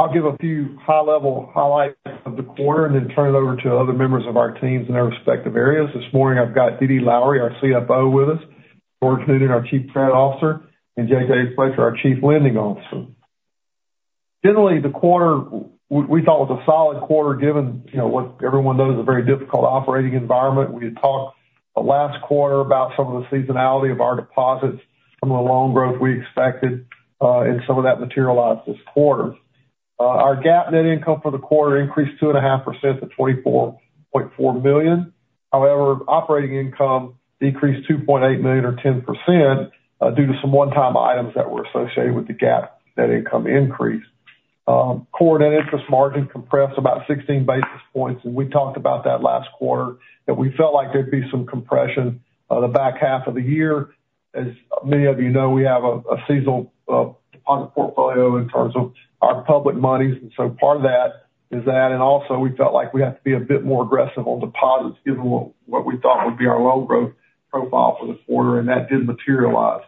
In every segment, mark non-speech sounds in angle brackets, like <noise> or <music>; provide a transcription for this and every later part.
I'll give a few high-level highlights of the quarter, and then turn it over to other members of our teams in their respective areas. This morning, I've got DeeDee Lowery, our CFO, with us, George Noonan, our Chief Credit Officer, and JJ Fletcher, our Chief Lending Officer. Generally, the quarter, we thought was a solid quarter, given, you know, what everyone knows, a very difficult operating environment. We had talked last quarter about some of the seasonality of our deposits from the loan growth we expected, and some of that materialized this quarter. Our GAAP net income for the quarter increased 2.5% to $24.4 million. However, operating income decreased $2.8 million or 10%, due to some one-time items that were associated with the GAAP net income increase. Core net interest margin compressed about 16 basis points, and we talked about that last quarter, that we felt like there'd be some compression on the back half of the year. As many of you know, we have a seasonal deposit portfolio in terms of our public monies, and so part of that is that, and also we felt like we have to be a bit more aggressive on deposits, given what we thought would be our loan growth profile for the quarter, and that did materialize.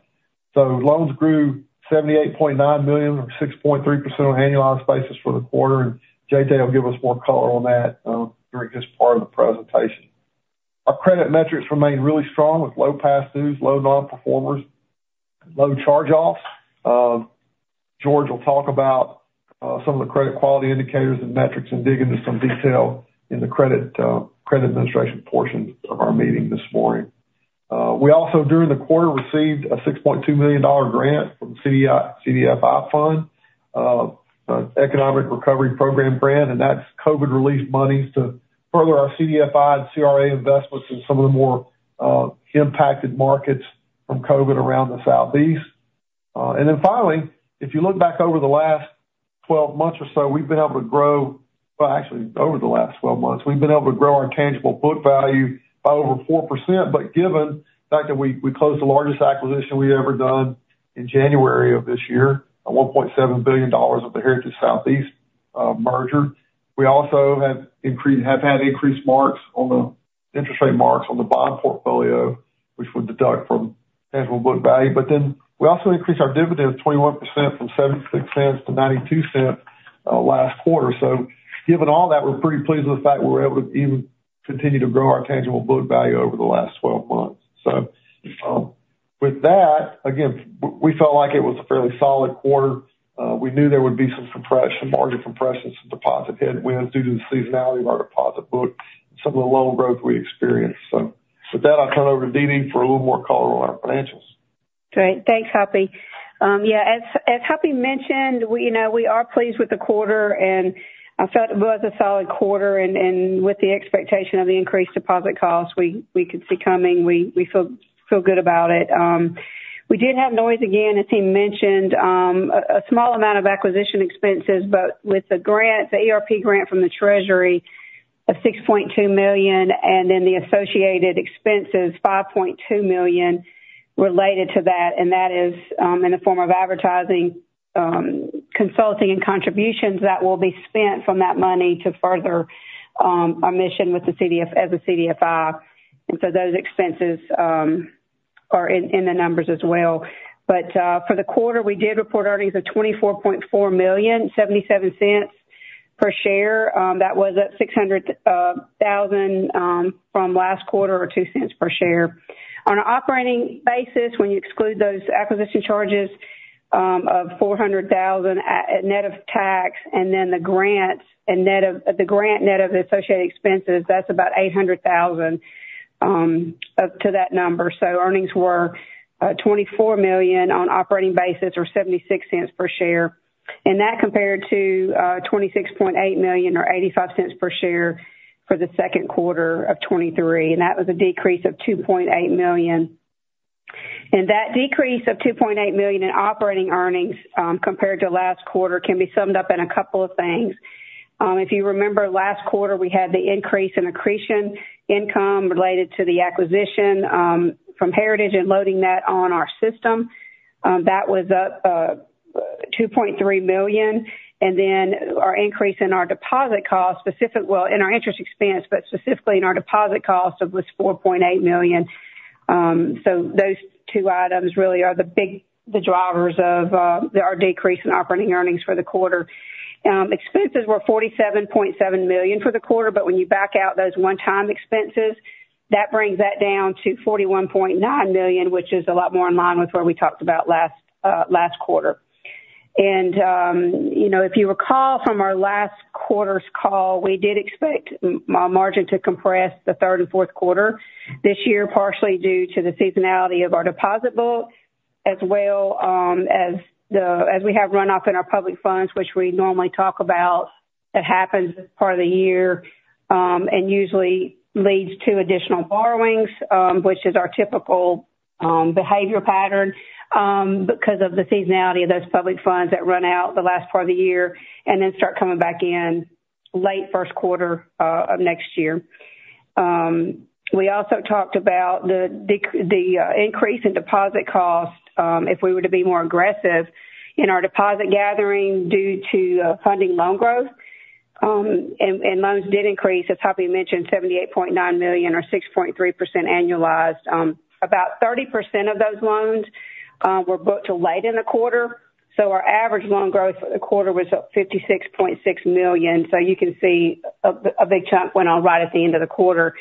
So loans grew $78.9 million, or 6.3% on an annualized basis for the quarter, and JJ will give us more color on that during his part of the presentation. Our credit metrics remain really strong with low past dues, low nonperformers, low charge-offs. George will talk about some of the credit quality indicators and metrics, and dig into some detail in the credit administration portion of our meeting this morning. We also, during the quarter, received a $6.2 million grant from the CDFI Fund, an Economic Recovery Program grant, and that's COVID relief monies to further our CDFI and CRA investments in some of the more impacted markets from COVID around the Southeast. And then finally, if you look back over the last twelve months or so, we've been able to grow—well, actually, over the last twelve months, we've been able to grow our tangible book value by over 4%, but given the fact that we closed the largest acquisition we've ever done in January of this year, a $1.7 billion of the Heritage Southeast merger. We also have had increased marks on the interest rate marks on the bond portfolio, which we deduct from tangible book value. But then we also increased our dividend of 21% from $0.76-$0.92 last quarter. So given all that, we're pretty pleased with the fact we were able to even continue to grow our tangible book value over the last twelve months. So, with that, again, we felt like it was a fairly solid quarter. We knew there would be some compression, margin compression, some deposit headwinds due to the seasonality of our deposit book, some of the loan growth we experienced. So, with that, I'll turn it over to DeeDee for a little more color on our financials. Great. Thanks, Hoppy. Yeah, as Hoppy mentioned, we, you know, we are pleased with the quarter, and I felt it was a solid quarter, and with the expectation of the increased deposit costs we could see coming, we feel good about it. We did have noise again, as he mentioned, a small amount of acquisition expenses, but with the grant, the ERP grant from the Treasury of $6.2 million, and then the associated expenses, $5.2 million, related to that, and that is in the form of advertising, consulting and contributions that will be spent from that money to further our mission with the CDF- as a CDFI. And so those expenses are in the numbers as well. For the quarter, we did report earnings of $24.4 million, $0.77 per share. That was $600,000 from last quarter or $0.02 per share. On an operating basis, when you exclude those acquisition charges of $400,000 net of tax, and then the grant net of the associated expenses, that's about $800,000 up to that number. So earnings were $24 million on an operating basis or $0.76 per share, and that compared to $26.8 million or $0.85 per share for the second quarter of 2023, and that was a decrease of $2.8 million. That decrease of $2.8 million in operating earnings compared to last quarter can be summed up in a couple of things. If you remember, last quarter, we had the increase in accretion income related to the acquisition from Heritage and loading that on our system. That was up $2.3 million, and then our increase in our deposit costs, well, in our interest expense, but specifically in our deposit costs, it was $4.8 million. So those two items really are the drivers of our decrease in operating earnings for the quarter. Expenses were $47.7 million for the quarter, but when you back out those one-time expenses, that brings that down to $41.9 million, which is a lot more in line with what we talked about last last quarter. You know, if you recall from our last quarter's call, we did expect margin to compress the third and fourth quarter this year, partially due to the seasonality of our deposit book, as well as we have runoff in our public funds, which we normally talk about. That happens this part of the year and usually leads to additional borrowings, which is our typical behavior pattern because of the seasonality of those public funds that run out the last part of the year and then start coming back in late first quarter of next year. We also talked about the increase in deposit costs if we were to be more aggressive in our deposit gathering due to funding loan growth. Loans did increase, as Hoppy mentioned, $78.9 million or 6.3% annualized. About 30% of those loans were booked till late in the quarter, so our average loan growth for the quarter was up $56.6 million. So you can see a big chunk went on right at the end of the quarter,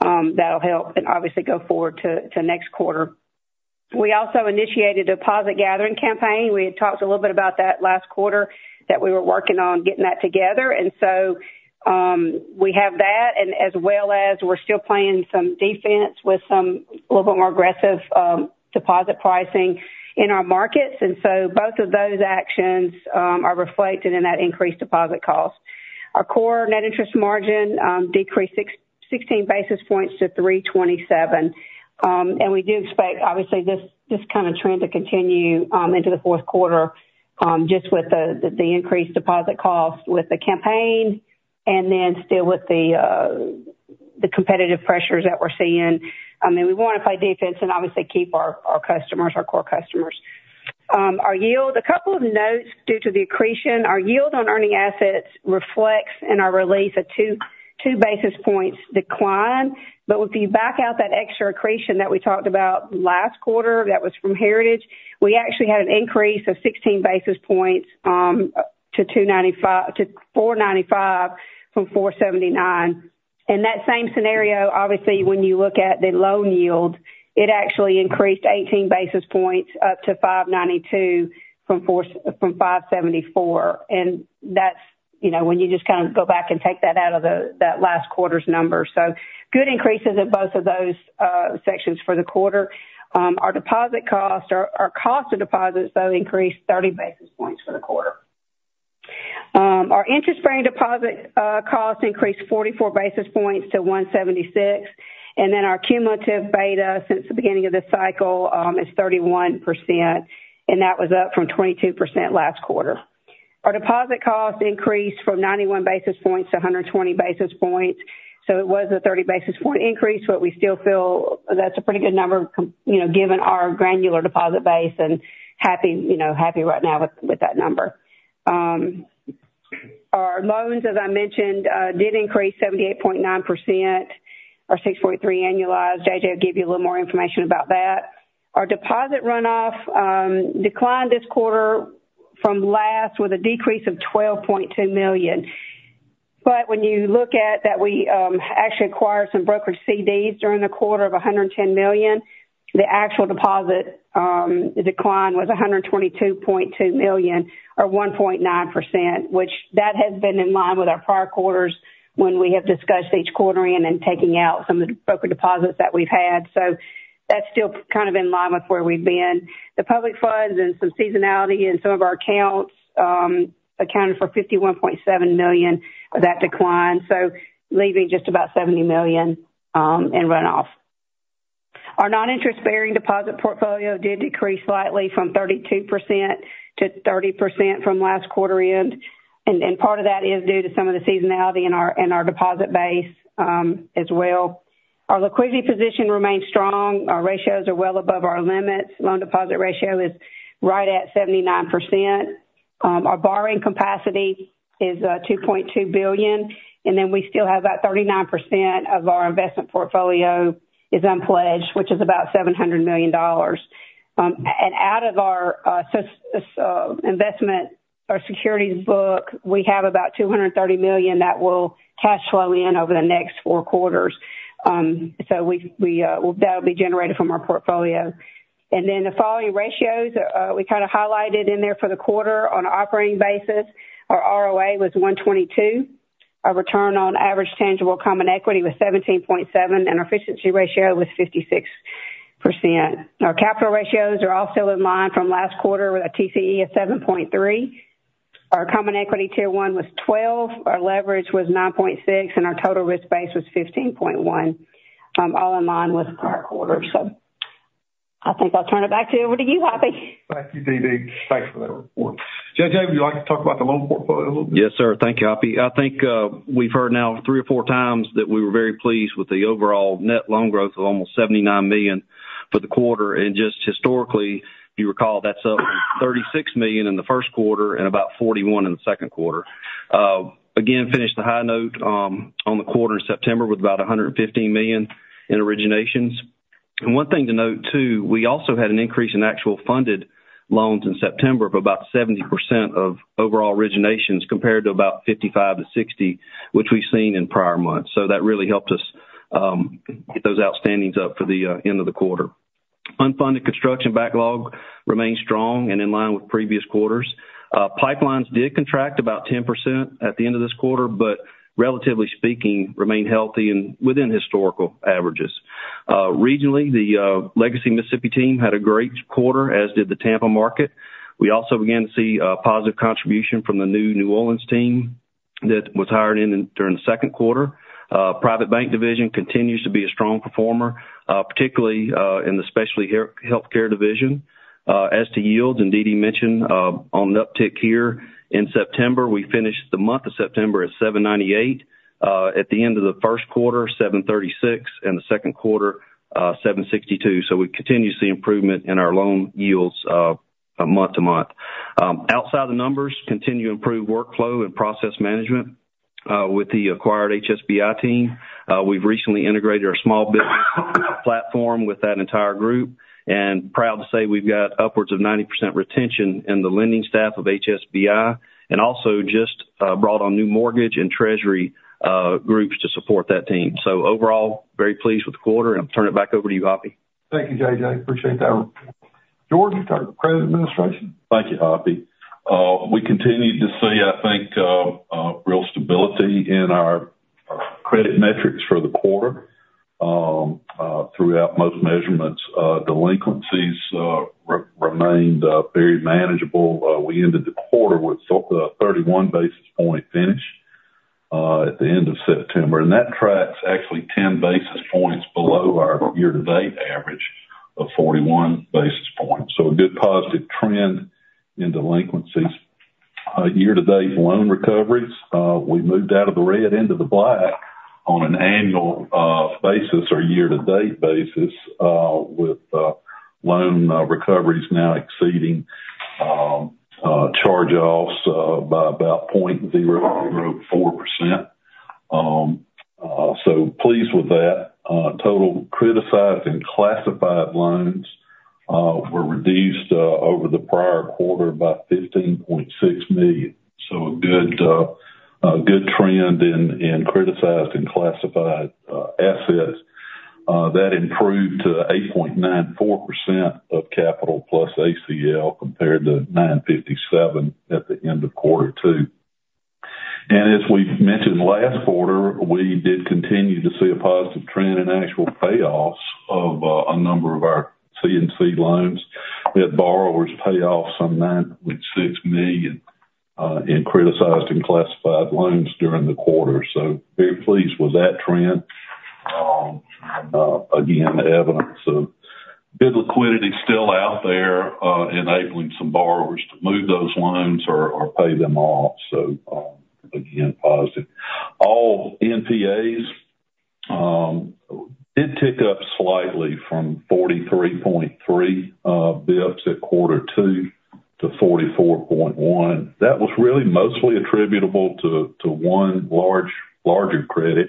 that'll help and obviously go forward to next quarter. We also initiated a deposit gathering campaign. We had talked a little bit about that last quarter, that we were working on getting that together. So we have that, and as well as we're still playing some defense with some little bit more aggressive deposit pricing in our markets. So both of those actions are reflected in that increased deposit cost. Our core net interest margin decreased 16 basis points to 3.27. We do expect, obviously, this kind of trend to continue into the fourth quarter, just with the increased deposit costs, with the campaign, and still with the competitive pressures that we're seeing. I mean, we wanna play defense and obviously keep our customers, our core customers. Our yield, a couple of notes due to the accretion. Our yield on earning assets reflects in our release a 2 basis points decline. But if you back out that extra accretion that we talked about last quarter, that was from Heritage, we actually had an increase of 16 basis points to 4.95 from 4.79. And that same scenario, obviously, when you look at the loan yield, it actually increased 18 basis points up to 5.92% from 5.74%. And that's, you know, when you just kind of go back and take that out of the, that last quarter's number. So good increases in both of those sections for the quarter. Our deposit cost, our cost of deposits, though, increased 30 basis points for the quarter. Our interest-bearing deposit cost increased 44 basis points to 1.76%, and then our cumulative beta since the beginning of the cycle is 31%, and that was up from 22% last quarter. Our deposit cost increased from 91 basis points to 120 basis points, so it was a 30 basis point increase, but we still feel that's a pretty good number you know, given our granular deposit base and happy, you know, happy right now with, with that number. Our loans, as I mentioned, did increase 78.9% or 6.3 annualized. JJ will give you a little more information about that. Our deposit runoff declined this quarter from last, with a decrease of $12.2 million. But when you look at that, we actually acquired some brokerage CDs during the quarter of $110 million. The actual deposit decline was $122.2 million or 1.9%, which has been in line with our prior quarters when we have discussed each quarter and then taking out some of the broker deposits that we've had. So that's still kind of in line with where we've been. The public funds and some seasonality in some of our accounts accounted for $51.7 million of that decline, so leaving just about $70 million in runoff. Our non-interest-bearing deposit portfolio did decrease slightly from 32%-30% from last quarter end, and part of that is due to some of the seasonality in our deposit base as well. Our liquidity position remains strong. Our ratios are well above our limits. Loan deposit ratio is right at 79%. Our borrowing capacity is $2.2 billion, and then we still have about 39% of our investment portfolio is unpledged, which is about $700 million. And out of our investment, our securities book, we have about $230 million that will cash flow in over the next four quarters. That'll be generated from our portfolio. And then the following ratios, we kind of highlighted in there for the quarter. On an operating basis, our ROA was 1.22. Our return on average tangible common equity was 17.7, and our efficiency ratio was 56%. Our capital ratios are also in line from last quarter, with a TCE of 7.3. Our Common Equity Tier 1 was 12, our Leverage Ratio was 9.6, and our Total Risk-Based Capital Ratio was 15.1, all in line with prior quarters. So I think I'll turn it back over to you, Hoppy. Thank you, DeeDee. Thanks for that report. JJ, would you like to talk about the loan portfolio a little bit? Yes, sir. Thank you, Hoppy. I think we've heard now three or four times that we were very pleased with the overall net loan growth of almost $79 million for the quarter. Just historically, you recall, that's up from $36 million in the first quarter and about $41 million in the second quarter. Again, finished the high note on the quarter in September with about $115 million in originations. One thing to note, too, we also had an increase in actual funded loans in September of about 70% of overall originations, compared to about 55%-60%, which we've seen in prior months. That really helped us get those outstandings up for the end of the quarter. Unfunded construction backlog remains strong and in line with previous quarters. Pipelines did contract about 10% at the end of this quarter, but relatively speaking, remain healthy and within historical averages. Regionally, the legacy Mississippi team had a great quarter, as did the Tampa market. We also began to see a positive contribution from the new New Orleans team that was hired in during the second quarter. Private bank division continues to be a strong performer, particularly in the specialty healthcare division. As to yields, and DeeDee mentioned, on the uptick here in September, we finished the month of September at 7.98%. At the end of the first quarter, 7.36%, and the second quarter, 7.62%. We continue to see improvement in our loan yields, month to month. Outside the numbers, continue to improve workflow and process management with the acquired HSBI team. We've recently integrated our small business platform with that entire group, and proud to say we've got upwards of 90% retention in the lending staff of HSBI, and also just brought on new mortgage and treasury groups to support that team. So overall, very pleased with the quarter, and I'll turn it back over to you, Hoppy. Thank you, JJ. Appreciate that. George, credit administration? Thank you, Hoppy. We continue to see, I think, real stability in our credit metrics for the quarter. Throughout most measurements, delinquencies remained very manageable. We ended the quarter with 31 basis point finish at the end of September. And that tracks actually 10 basis points below our year-to-date average of 41 basis points. So a good positive trend in delinquencies. Year-to-date loan recoveries, we moved out of the red into the black on an annual basis or year-to-date basis, with loan recoveries now exceeding charge-offs by about 0.04%. So pleased with that. Total criticized and classified loans were reduced over the prior quarter by $15.6 million. So a good trend in criticized and classified assets. That improved to 8.94% of capital plus ACL, compared to 9.57% at the end of quarter two. And as we mentioned last quarter, we did continue to see a positive trend in actual payoffs of a number of our C&C loans. We had borrowers pay off some $96 million in criticized and classified loans during the quarter, so very pleased with that trend. Again, evidence of good liquidity still out there, enabling some borrowers to move those loans or pay them off. So, again, positive. All NPAs did tick up slightly from 43.3 basis points at quarter two to 44.1. That was really mostly attributable to one large, larger credit,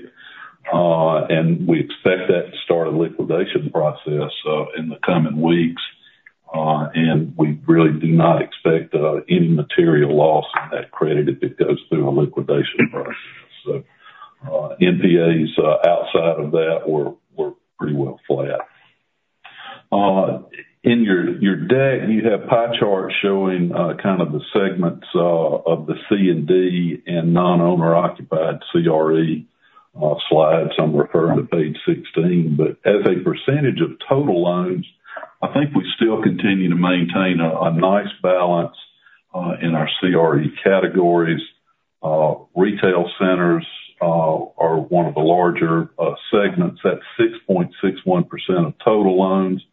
and we expect that to start a liquidation process in the coming weeks, and we really do not expect any material loss in that credit if it goes through a liquidation process. So, NPAs outside of that were pretty well flat. In your deck, you have pie charts showing kind of the segments of the C&D and non-owner occupied CRE slides. I'm referring to page 16. But as a percentage of total loans, I think we still continue to maintain a nice balance in our CRE categories. Retail centers are one of the larger segments at 6.61% of total loans,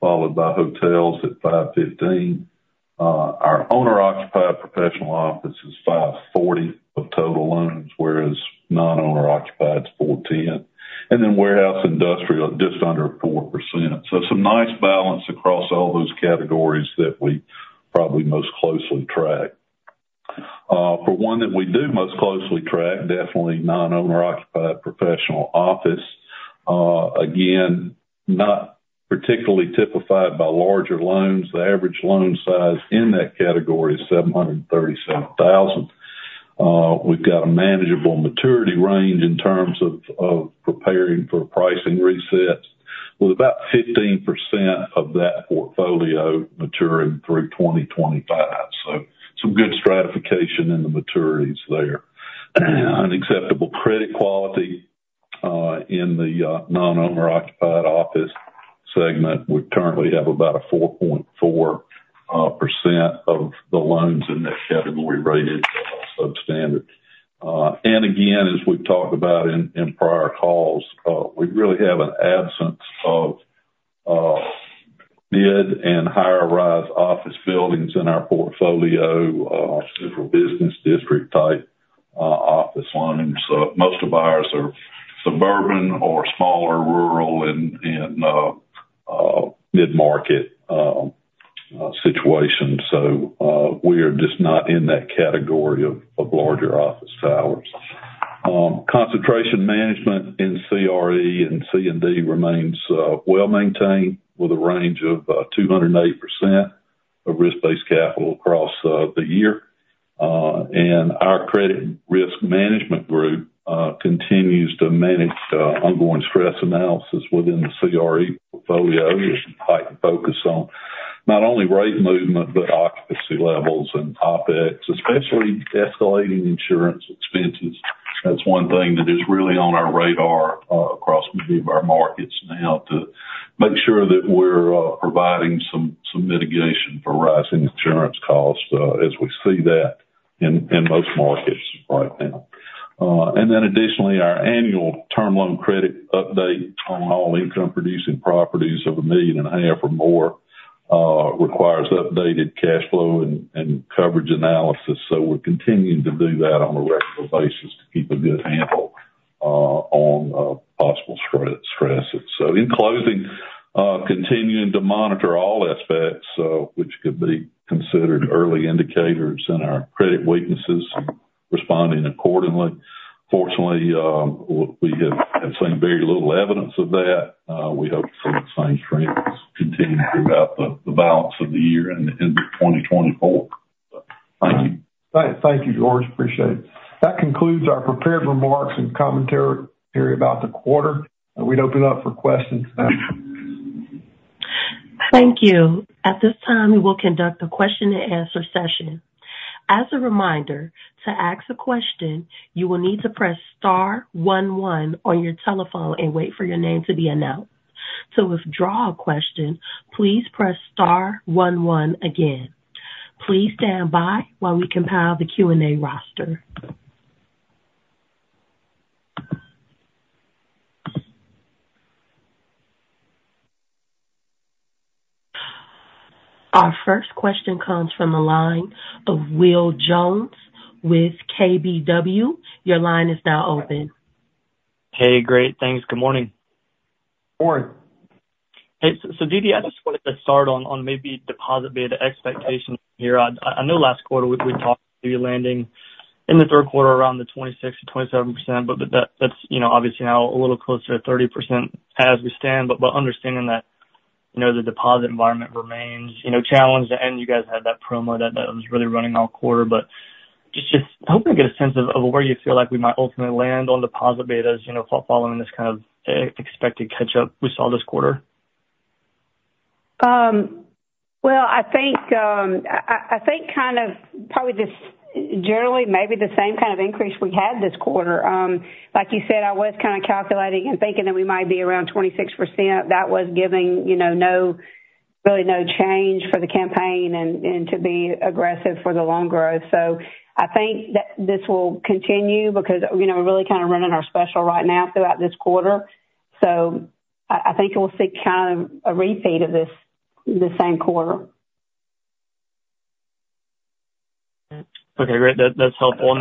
followed by hotels at 5.15%. Our owner-occupied professional office is 5.40% of total loans, whereas non-owner occupied is 4.10%, and then warehouse industrial, just under 4%. So some nice balance across all those categories that we probably most closely track. For one, that we do most closely track, definitely non-owner occupied professional office. Again, not particularly typified by larger loans. The average loan size in that category is $737,000. We've got a manageable maturity range in terms of, of preparing for pricing resets, with about 15% of that portfolio maturing through 2025. So some good stratification in the maturities there. And acceptable credit quality, in the, non-owner occupied office segment, we currently have about a 4.4% of the loans in that category rated as substandard. And again, as we've talked about in prior calls, we really have an absence of mid and higher rise office buildings in our portfolio, several business district type office loans. So most of ours are suburban or smaller, rural and mid-market situations. So, we are just not in that category of larger office towers. Concentration management in CRE and C&D remains well maintained, with a range of 208% of risk-based capital across the year. And our credit risk management group continues to manage ongoing stress analysis within the CRE portfolio. There's a heightened focus on not only rate movement, but occupancy levels and OpEx, especially escalating insurance expenses. That's one thing that is really on our radar, across many of our markets now, to make sure that we're providing some mitigation for rising insurance costs, as we see that in most markets right now. And then additionally, our annual term loan credit update on all income producing properties of $1.5 million or more requires updated cash flow and coverage analysis. So we're continuing to do that on a regular basis to keep a good handle on possible stress assets. So in closing, continuing to monitor all aspects, which could be considered early indicators in our credit weaknesses, responding accordingly. Fortunately, we have seen very little evidence of that. We hope to see the same trends continue throughout the balance of the year and into 2024. Thank you. Thank you, George. Appreciate it. That concludes our prepared remarks and commentary about the quarter, and we'd open it up for questions. Thank you. At this time, we will conduct a question and answer session. As a reminder, to ask a question, you will need to press star one one on your telephone and wait for your name to be announced. To withdraw a question, please press star one one again. Please stand by while we compile the Q&A roster. Our first question comes from the line of Will Jones with KBW. Your line is now open. Hey, great, thanks. Good morning. Morning. Hey, so DeeDee, I just wanted to start on maybe deposit beta expectations here. I know last quarter we talked to you landing in the third quarter around 26%-27%, but that's, you know, obviously now a little closer to 30% as we stand. But understanding that, you know, the deposit environment remains, you know, challenged, and you guys had that promo that was really running all quarter. But just hoping to get a sense of where you feel like we might ultimately land on deposit betas, you know, following this kind of expected catch up we saw this quarter. Well, I think kind of probably just generally maybe the same kind of increase we had this quarter. Like you said, I was kind of calculating and thinking that we might be around 26%. That was giving, you know, no really no change for the campaign and to be aggressive for the loan growth. So I think that this will continue because, you know, we're really kind of running our special right now throughout this quarter. So I think you'll see kind of a repeat of this the same quarter. Okay, great. That, that's helpful.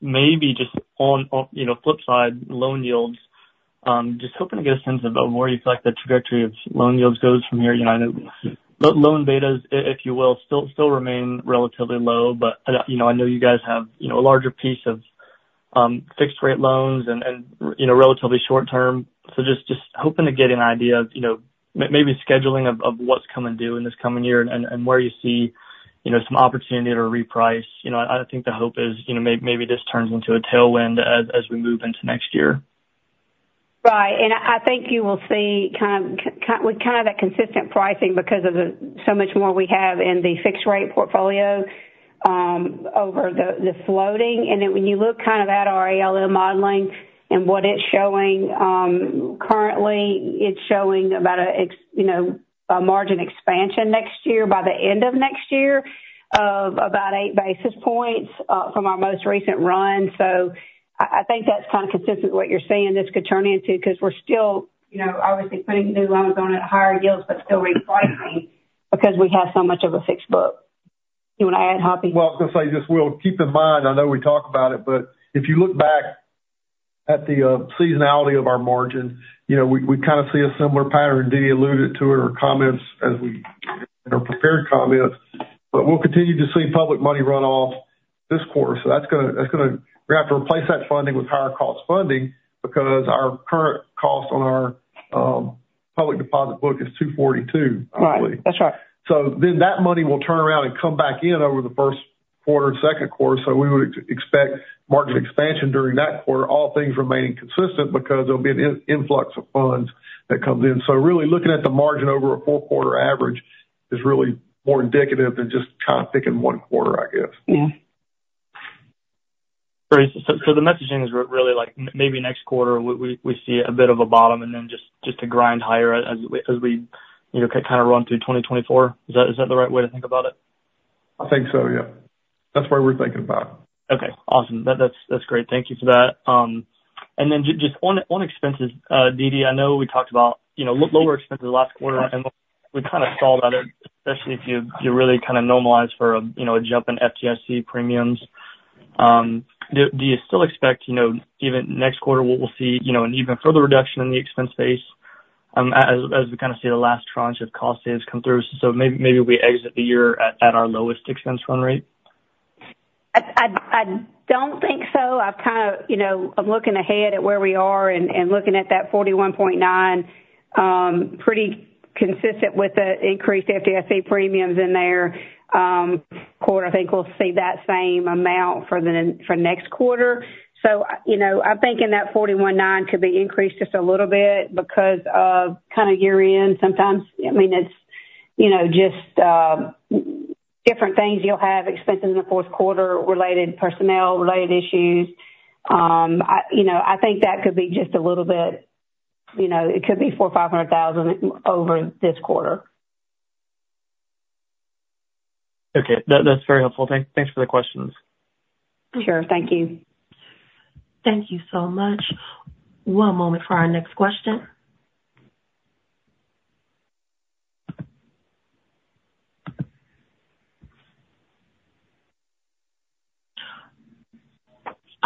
Maybe just on, you know, flip side loan yields, just hoping to get a sense about where you feel like the trajectory of loan yields goes from here. You know, I know loan betas, if you will, still remain relatively low, but, you know, I know you guys have, you know, a larger piece of, fixed rate loans and, and, you know, relatively short term. So just hoping to get an idea of, you know, maybe scheduling of, of what's coming due in this coming year and, and where you see, you know, some opportunity to reprice. You know, I think the hope is, you know, maybe this turns into a tailwind as, as we move into next year. Right. And I think you will see kind of with kind of that consistent pricing because of the so much more we have in the fixed rate portfolio over the floating. And then when you look kind of at our ALM modeling and what it's showing currently, it's showing about a you know, a margin expansion next year, by the end of next year, of about eight basis points from our most recent run. So I think that's kind of consistent with what you're saying this could turn into, because we're still you know, obviously putting new loans on at higher yields, but still repricing because we have so much of a fixed book. You want to add, Hoppy? Well, I was going to say just, Will, keep in mind, I know we talked about it, but if you look back at the seasonality of our margin, you know, we, we kind of see a similar pattern. Dee alluded to it in her comments as we, in her prepared comments, but we'll continue to see public money run off this quarter. So that's gonna, that's gonna... We're gonna have to replace that funding with higher cost funding because our current cost on our public deposit book is 2.42, I believe. Right. That's right. So then that money will turn around and come back in over the first quarter and second quarter. So we would expect margin expansion during that quarter, all things remaining consistent, because there'll be an influx of funds that comes in. So really looking at the margin over a full quarter average is really more indicative than just kind of picking one quarter, I guess. Mm-hmm. Great. So the messaging is really like maybe next quarter, we see a bit of a bottom and then just to grind higher as we, you know, kind of run through 2024. Is that the right way to think about it? I think so, yeah. That's the way we're thinking about it. Okay, awesome. That's great. Thank you for that. And then just on expenses, DeeDee, I know we talked about, you know, lower expenses last quarter, and we kind of stalled on it, especially if you really kind of normalize for a you know a jump in FDIC premiums. Do you still expect, you know, even next quarter, we'll see, you know, an even further reduction in the expense base, as we kind of see the last tranche of cost saves come through? So maybe we exit the year at our lowest expense run rate? I don't think so. I've kind of, you know, I'm looking ahead at where we are and looking at that 41.9, pretty consistent with the increased FDIC premiums in there. Quarter, I think we'll see that same amount for next quarter. So, you know, I'm thinking that 41.9 could be increased just a little bit because of kind of year-end sometimes. I mean, it's, you know, just, different things you'll have expenses in the fourth quarter, related personnel, related issues. You know, I think that could be just a little bit, you know, it could be $400,000-$500,000 over this quarter. Okay. That's very helpful. Thanks for the questions. Sure. Thank you. Thank you so much. One moment for our next question.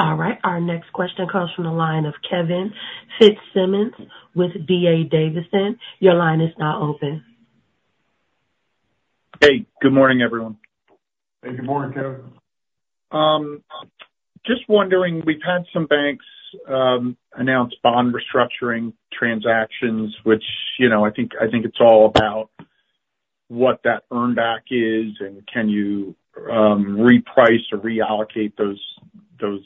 All right. Our next question comes from the line of Kevin Fitzsimmons with D.A. Davidson. Your line is now open. Hey, good morning, everyone. Hey, good morning, Kevin. Just wondering, we've had some banks announce bond restructuring transactions, which, you know, I think, I think it's all about what that earn back is and can you reprice or reallocate those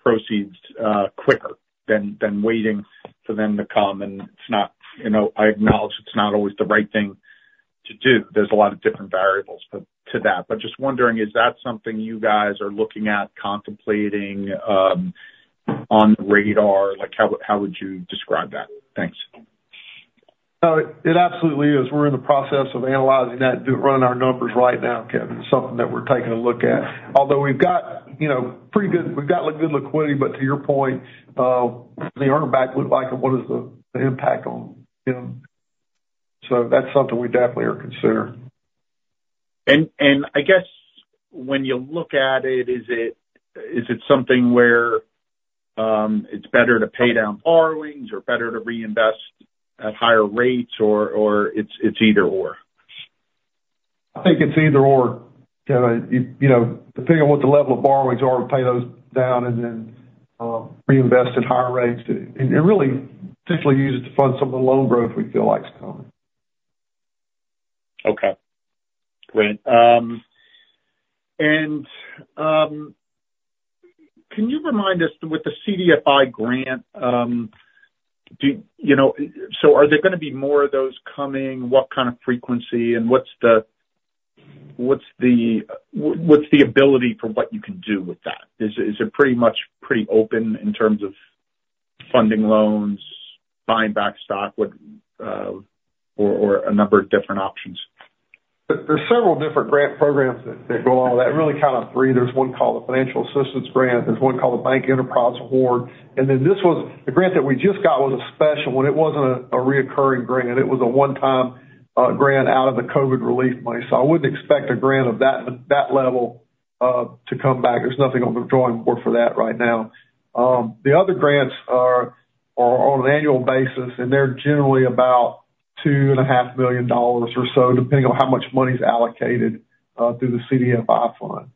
proceeds quicker than waiting for them to come? And it's not, you know, I acknowledge it's not always the right thing to do. There's a lot of different variables, but to that. But just wondering, is that something you guys are looking at, contemplating on the radar? Like, how would you describe that? Thanks. It absolutely is. We're in the process of analyzing that, running our numbers right now, Kevin. It's something that we're taking a look at, although we've got, you know, pretty good-- we've got, like, good liquidity. But to your point, the earn back, look back and what is the impact on him. So that's something we definitely are considering. And I guess when you look at it, is it something where it's better to pay down borrowings or better to reinvest at higher rates or it's either/or? I think it's either/or, Kevin. You, you know, depending on what the level of borrowings are, to pay those down and then, reinvest at higher rates, and, and really potentially use it to fund some of the loan growth we feel like is coming. Okay, great. And can you remind us with the CDFI grant? Do you know, so are there gonna be more of those coming? What kind of frequency and what's the ability for what you can do with that? Is it pretty much pretty open in terms of funding loans, buying back stock, what, or a number of different options? There's several different grant programs that go along with that, really kind of three. There's one called the Financial Assistance Grant. There's one called the Bank Enterprise Award. And then this was the grant that we just got, was a special one. It wasn't a recurring grant. It was a one-time grant out of the COVID relief money. So I wouldn't expect a grant of that level to come back. There's nothing on the drawing board for that right now. The other grants are on an annual basis, and they're generally about $2.5 million or so, depending on how much money is allocated through the CDFI Fund.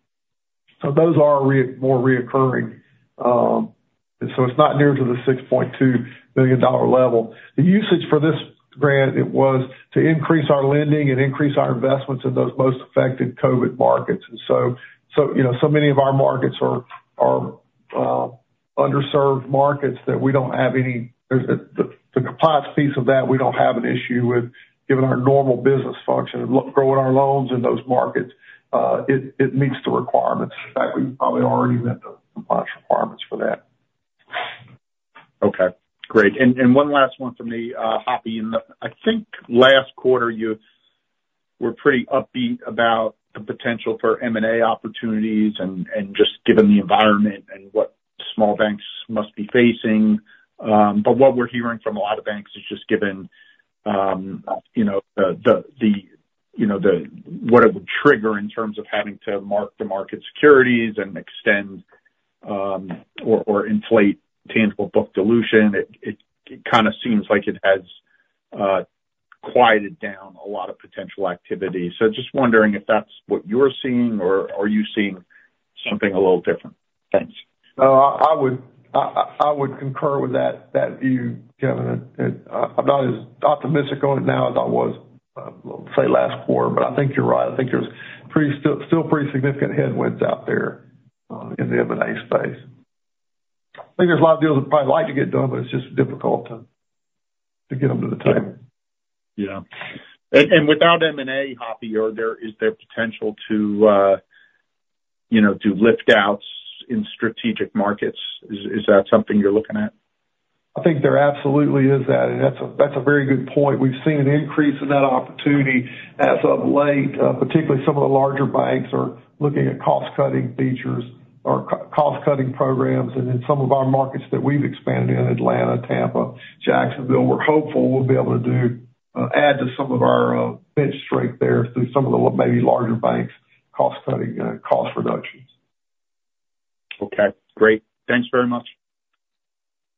So those are more recurring. And so it's not near to the $6.2 billion level. The usage for this grant, it was to increase our lending and increase our investments in those most affected COVID markets. And so, you know, so many of our markets are underserved markets, that we don't have any—there's the compliance piece of that, we don't have an issue with, given our normal business function of growing our loans in those markets. It meets the requirements. In fact, we've probably already met the compliance requirements for that. Okay, great. And one last one from me, Hoppy. I think last quarter, you were pretty upbeat about the potential for M&A opportunities and just given the environment and what small banks must be facing. But what we're hearing from a lot of banks is just given you know what it would trigger in terms of having to mark the market securities and extend or inflate tangible book dilution. It kind of seems like it has quieted down a lot of potential activity. So just wondering if that's what you're seeing or are you seeing something a little different? Thanks. No, I would concur with that view, Kevin. It. I'm not as optimistic on it now as I was, say, last quarter, but I think you're right. I think there's still pretty significant headwinds out there in the M&A space. I think there's a lot of deals I'd probably like to get done, but it's just difficult to get them to the table. Yeah. And without M&A, Hoppy, is there potential to, you know, do lift outs in strategic markets? Is that something you're looking at? I think there absolutely is that, and that's a very good point. We've seen an increase in that opportunity as of late. Particularly some of the larger banks are looking at cost-cutting features or cost-cutting programs. In some of our markets that we've expanded in Atlanta, Tampa, Jacksonville, we're hopeful we'll be able to do add to some of our bench strength there through some of the what may be larger banks, cost cutting, cost reductions. Okay, great. Thanks very much.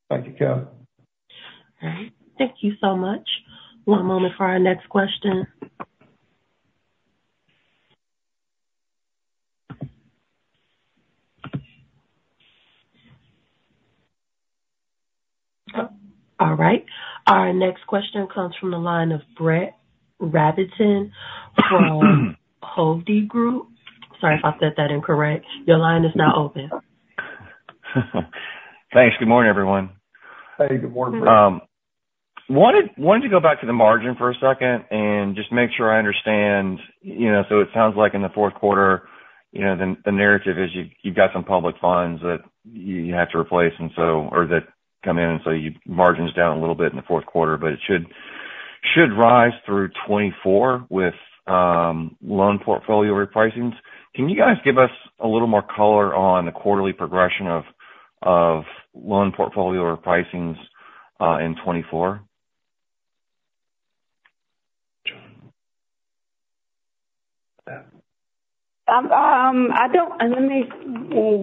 Thank you, Kevin. All right. Thank you so much. One moment for our next question. All right. Our next question comes from the line of Brett Rabatin from Hovde Group. Sorry if I said that incorrect. Your line is now open. Thanks. Good morning, everyone. Hey, good morning, Brett. Wanted to go back to the margin for a second and just make sure I understand. You know, so it sounds like in the fourth quarter, you know, the narrative is you've got some public funds that you have to replace and so, or that come in, and so your margins down a little bit in the fourth quarter, but it should rise through 2024 with loan portfolio repricings. Can you guys give us a little more color on the quarterly progression of loan portfolio repricings in 2024?... I don't. And let me,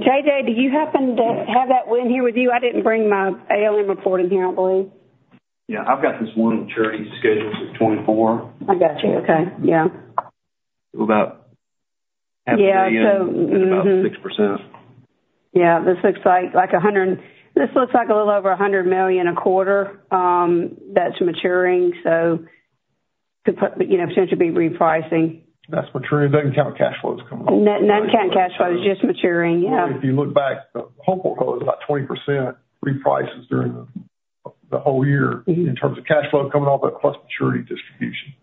JJ, do you happen to have that one here with you? I didn't bring my ALM report in here, I believe. Yeah, I've got this one maturity scheduled for 2024. I got you. Okay. Yeah. About <crosstalk> Yeah. So, mm-hmm. About 6%. Yeah, this looks like a little over $100 million a quarter, that's maturing, so to put, you know, potentially be repricing. That's maturing. That doesn't count cash flows coming in. That counts cash flows, just maturing. Yeah. If you look back, the whole quote is about 20% reprices during the whole year- Mm-hmm. in terms of cash flow coming off that plus maturity distribution.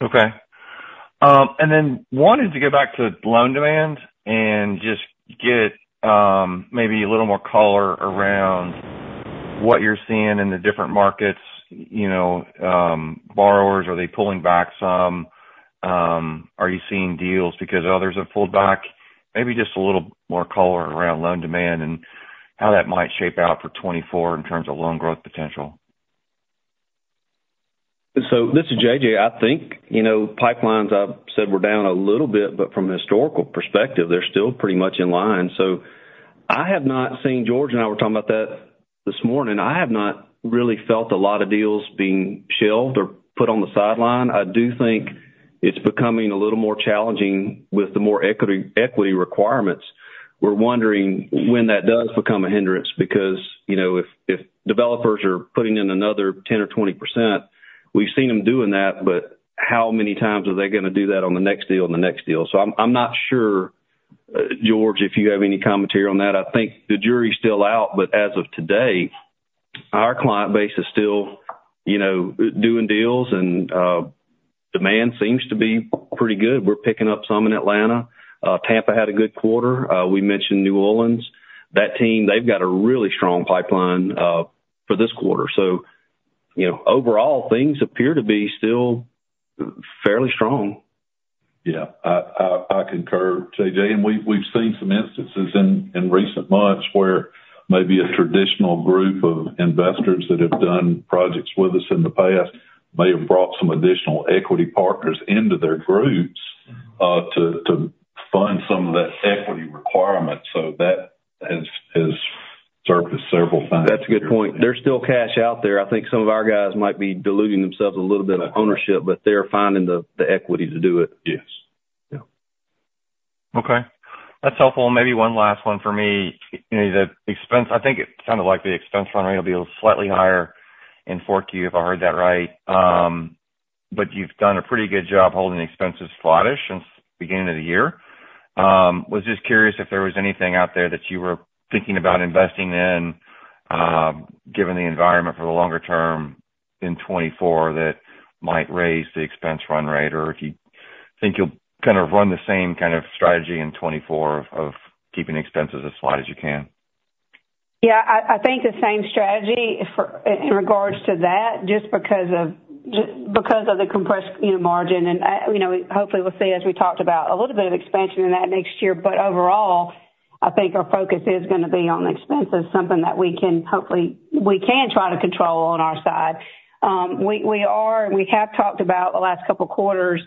Okay. And then wanted to go back to loan demand and just get, maybe a little more color around what you're seeing in the different markets, you know, borrowers, are they pulling back some? Are you seeing deals because others have pulled back? Maybe just a little more color around loan demand and how that might shape out for 2024 in terms of loan growth potential. So this is JJ. I think, you know, pipelines, I've said, were down a little bit, but from a historical perspective, they're still pretty much in line. So I have not seen. George and I were talking about that this morning. I have not really felt a lot of deals being shelved or put on the sideline. I do think it's becoming a little more challenging with the more equity, equity requirements. We're wondering when that does become a hindrance, because, you know, if, if developers are putting in another 10% or 20%, we've seen them doing that, but how many times are they gonna do that on the next deal and the next deal? So I'm, I'm not sure, George, if you have any commentary on that. I think the jury is still out, but as of today, our client base is still, you know, doing deals and, demand seems to be pretty good. We're picking up some in Atlanta. Tampa had a good quarter. We mentioned New Orleans. That team, they've got a really strong pipeline, for this quarter. So, you know, overall, things appear to be still fairly strong. Yeah. I concur, JJ, and we've seen some instances in recent months where maybe a traditional group of investors that have done projects with us in the past may have brought some additional equity partners into their groups, to fund some of that equity requirement. So that has surfaced several times. That's a good point. There's still cash out there. I think some of our guys might be diluting themselves a little bit of ownership, but they're finding the equity to do it. Yes. Yeah. Okay. That's helpful. Maybe one last one for me. The expense—I think it sounded like the expense run rate will be slightly higher in Q4, if I heard that right. But you've done a pretty good job holding the expenses flattish since beginning of the year. Was just curious if there was anything out there that you were thinking about investing in, given the environment for the longer term in 2024, that might raise the expense run rate, or if you think you'll kind of run the same kind of strategy in 2024 of, of keeping expenses as flat as you can? Yeah, I think the same strategy for, in regards to that, just because of, just because of the compressed, you know, margin. And, you know, hopefully we'll see, as we talked about, a little bit of expansion in that next year. But overall, I think our focus is gonna be on the expenses, something that we can hopefully, we can try to control on our side. We are, and we have talked about the last couple of quarters,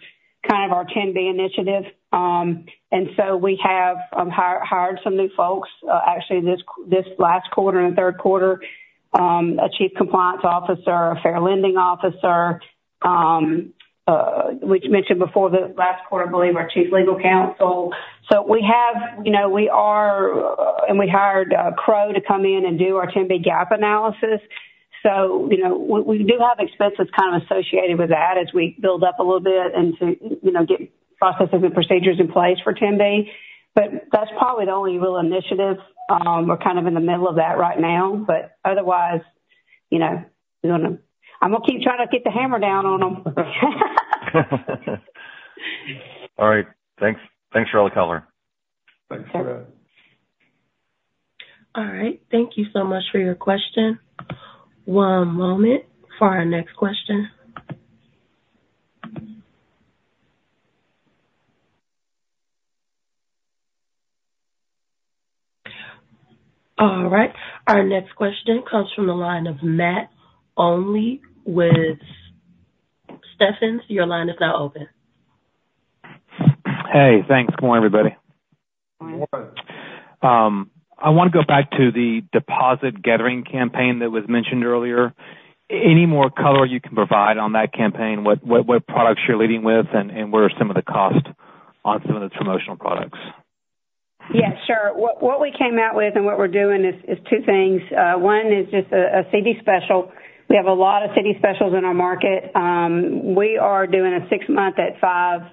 kind of our $10B initiative. And so we have hired some new folks, actually, this last quarter and third quarter, a Chief Compliance Officer, a Fair Lending Officer. We mentioned before the last quarter, I believe, our Chief Legal Counsel. So we have, you know, we are and we hired Crowe to come in and do our $10B gap analysis. So, you know, we, we do have expenses kind of associated with that as we build up a little bit and to, you know, get processes and procedures in place for $10B. But that's probably the only real initiative. We're kind of in the middle of that right now, but otherwise, you know, I'm gonna keep trying to get the hammer down on them. All right. Thanks. Thanks for all the color. Thanks for that. All right. Thank you so much for your question. One moment for our next question. All right. Our next question comes from the line of Matt Olney with Stephens. Your line is now open. Hey, thanks. Good morning, everybody. Good morning. I want to go back to the deposit gathering campaign that was mentioned earlier. Any more color you can provide on that campaign? What products you're leading with, and what are some of the cost on some of the promotional products? Yeah, sure. What, what we came out with and what we're doing is, is two things. One is just a, a CD special. We have a lot of CD specials in our market. We are doing a six month at 5.25%.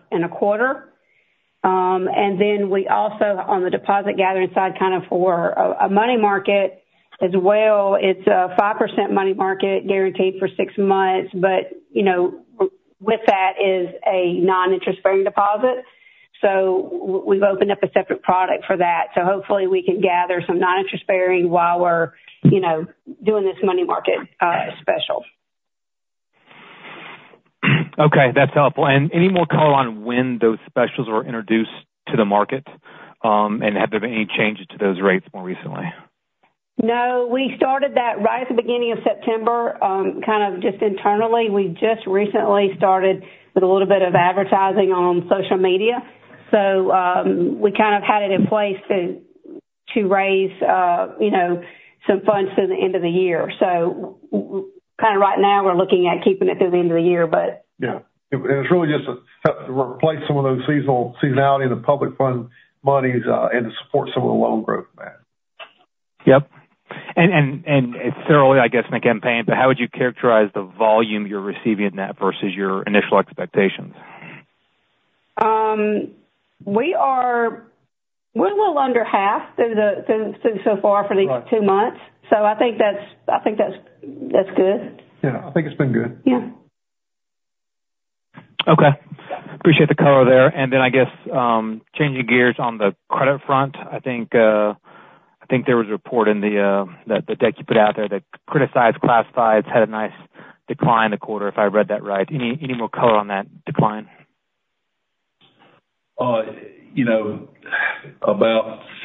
And then we also, on the deposit gathering side, kind of for a, a money market as well, it's a 5% money market guaranteed for six months, but, you know, with that is a non-interest bearing deposit. So we've opened up a separate product for that. So hopefully we can gather some non-interest bearing while we're, you know, doing this money market special.... Okay, that's helpful. And any more color on when those specials were introduced to the market, and have there been any changes to those rates more recently? No, we started that right at the beginning of September, kind of just internally. We just recently started with a little bit of advertising on social media. So, we kind of had it in place to raise, you know, some funds through the end of the year. So kind of right now, we're looking at keeping it through the end of the year, but- Yeah. And it's really just to help to replace some of those seasonal, seasonality in the public fund monies, and to support some of the loan growth back. Yep, and it's thoroughly, I guess, my campaign, but how would you characterize the volume you're receiving in that versus your initial expectations? We're a little under half through so far for these two months. Right. So I think that's good. Yeah. I think it's been good. Yeah. Okay. Appreciate the color there. And then, I guess, changing gears on the credit front, I think there was a report in the deck you put out there that criticized classifieds had a nice decline in the quarter, if I read that right. Any more color on that decline? You know, about 60%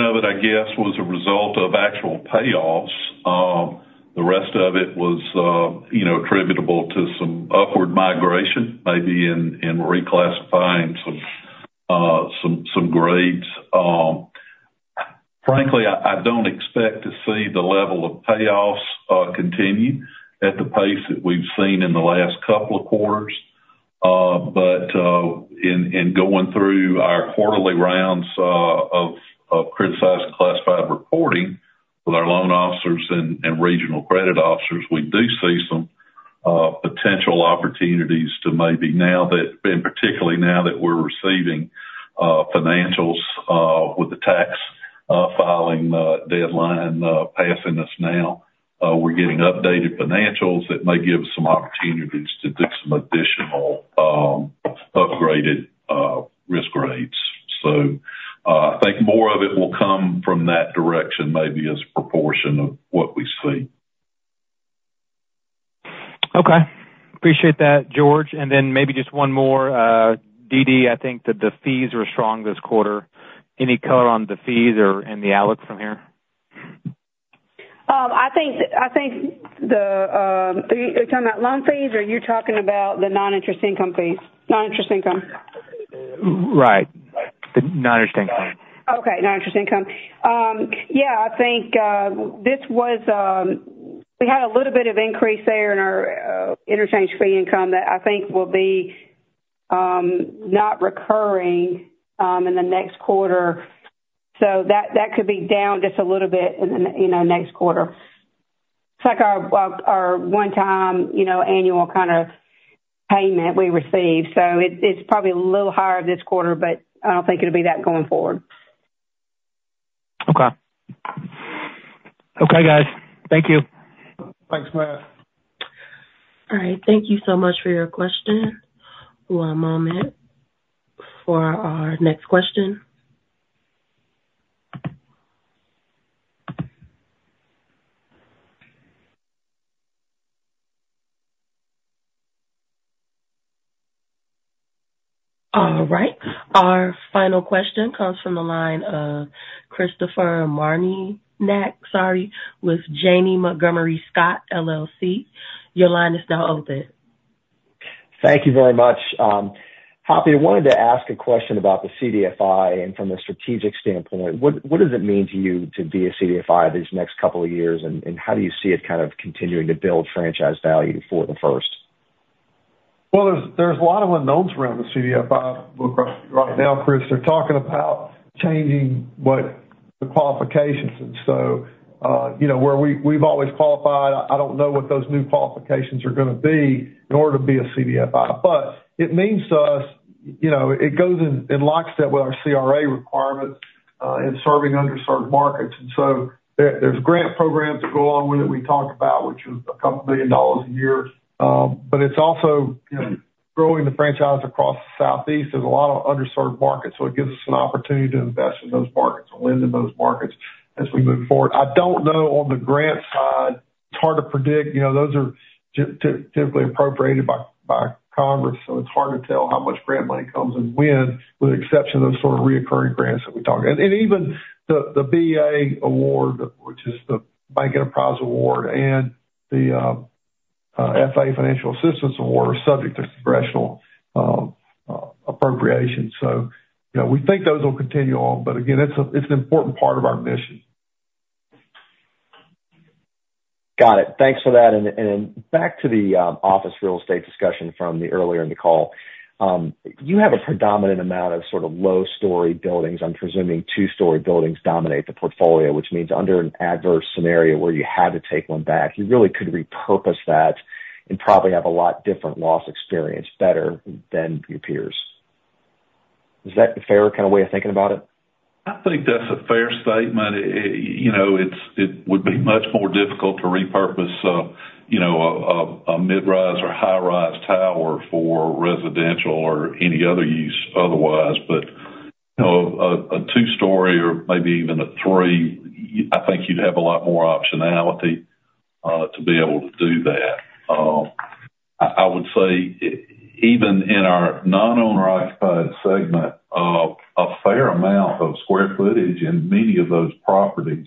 of it, I guess, was a result of actual payoffs. The rest of it was, you know, attributable to some upward migration, maybe in reclassifying some grades. Frankly, I don't expect to see the level of payoffs continue at the pace that we've seen in the last couple of quarters. But, in going through our quarterly rounds of criticized and classified reporting with our loan officers and regional credit officers, we do see some potential opportunities to maybe now that- and particularly now that we're receiving financials with the tax filing deadline passing us now, we're getting updated financials that may give us some opportunities to do some additional upgraded risk rates. So, I think more of it will come from that direction, maybe as a proportion of what we see. Okay. Appreciate that, George. And then maybe just one more. DeeDee, I think that the fees were strong this quarter. Any color on the fees or, and the outlook from here? I think, are you talking about loan fees, or you're talking about the non-interest income fees? Non-interest income. Right. The non-interest income. Okay, non-interest income. Yeah, I think this was we had a little bit of increase there in our interchange fee income that I think will be not recurring in the next quarter. So that could be down just a little bit in the, you know, next quarter. It's like our one-time, you know, annual kind of payment we received, so it's probably a little higher this quarter, but I don't think it'll be that going forward. Okay. Okay, guys. Thank you. Thanks, Matt. All right. Thank you so much for your question. One moment for our next question. All right. Our final question comes from the line of Christopher Marinac, sorry, with Janney Montgomery Scott, LLC. Your line is now open. Thank you very much. Hoppy, I wanted to ask a question about the CDFI, and from a strategic standpoint, what does it mean to you to be a CDFI these next couple of years, and how do you see it kind of continuing to build franchise value for The First? Well, there's a lot of unknowns around the CDFI right now, Chris. They're talking about changing what the qualifications are. So, you know, we've always qualified, I don't know what those new qualifications are gonna be in order to be a CDFI. But it means to us, you know, it goes in lockstep with our CRA requirements in serving underserved markets. And so there's grant programs that go along with it, we talked about, which is $2 billion a year. But it's also, you know, growing the franchise across the southeast. There's a lot of underserved markets, so it gives us an opportunity to invest in those markets and lend in those markets as we move forward. I don't know, on the grant side, it's hard to predict. You know, those are typically appropriated by Congress, so it's hard to tell how much grant money comes and when, with the exception of those sort of recurring grants that we talked. And even the BEA award, which is the Bank Enterprise Award, and the FA, Financial Assistance award, are subject to congressional appropriation. So, you know, we think those will continue on, but again, it's an important part of our mission. Got it. Thanks for that. And back to the office real estate discussion from the earlier in the call. You have a predominant amount of sort of low-story buildings. I'm presuming two-story buildings dominate the portfolio, which means under an adverse scenario where you had to take one back, you really could repurpose that and probably have a lot different loss experience better than your peers. Is that a fair kind of way of thinking about it? I think that's a fair statement. It, you know, it would be much more difficult to repurpose, you know, a mid-rise or high-rise tower for residential or any other use otherwise, but so a two-story or maybe even a three, I think you'd have a lot more optionality to be able to do that. I would say even in our non-owner-occupied segment, a fair amount of square footage in many of those properties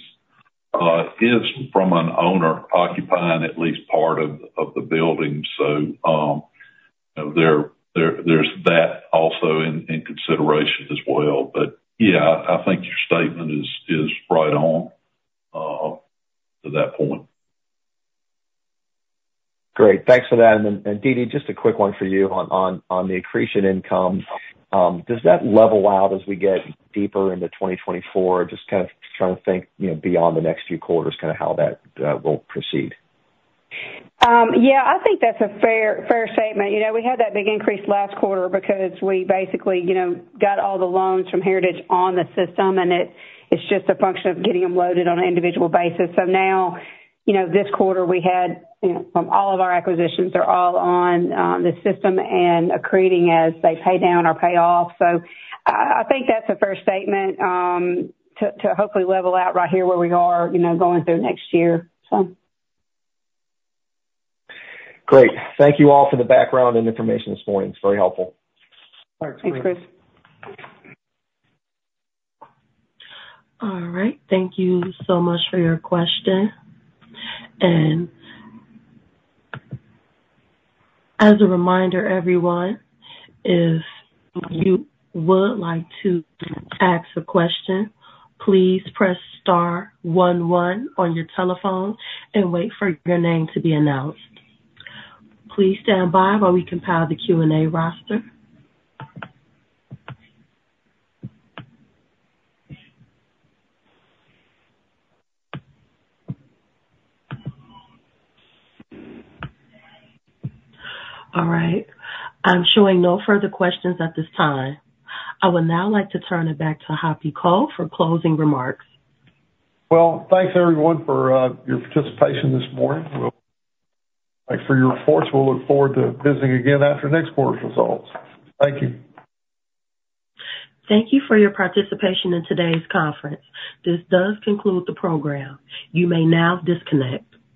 is from an owner occupying at least part of the building. So there's that also in consideration as well. But yeah, I think your statement is right on to that point. Great. Thanks for that. And then, DeeDee, just a quick one for you on the accretion income. Does that level out as we get deeper into 2024? Just kind of trying to think, you know, beyond the next few quarters, kind of how that will proceed. Yeah, I think that's a fair, fair statement. You know, we had that big increase last quarter because we basically, you know, got all the loans from Heritage on the system, and it, it's just a function of getting them loaded on an individual basis. So now, you know, this quarter we had, you know, from all of our acquisitions are all on the system and accreting as they pay down or pay off. So I think that's a fair statement to hopefully level out right here where we are, you know, going through next year, so. Great. Thank you all for the background and information this morning. It's very helpful. Thanks, Chris. Thanks, Chris. All right. Thank you so much for your question. As a reminder, everyone, if you would like to ask a question, please press star one one on your telephone and wait for your name to be announced. Please stand by while we compile the Q&A roster. All right. I'm showing no further questions at this time. I would now like to turn it back to Hoppy Cole for closing remarks. Well, thanks, everyone, for your participation this morning. Thanks for your reports. We'll look forward to visiting again after next quarter's results. Thank you. Thank you for your participation in today's conference. This does conclude the program. You may now disconnect.